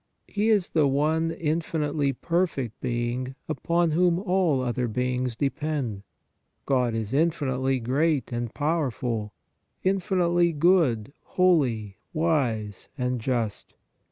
He is the One infinitely perfect Being, upon whom all other beings depend. God is infinitely great and powerful, infinitely good, holy, wise and just.